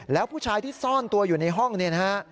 แล้วผู้ชายที่ซ่อนตัวอยู่ในห้องเนี่ยนะฮะ